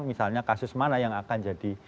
misalnya kasus mana yang akan jadi